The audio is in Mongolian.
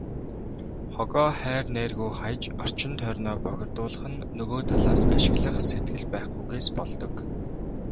Хогоо хайр найргүй хаяж, орчин тойрноо бохирдуулах нь нөгөө талаас ашиглах сэтгэл байхгүйгээс болдог.